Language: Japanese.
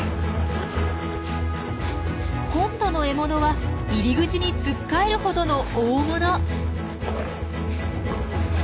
今度の獲物は入り口につっかえるほどの大物。